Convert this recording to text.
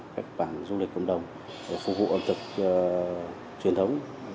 khách bản du lịch cộng đồng để phục vụ ẩm thực truyền thống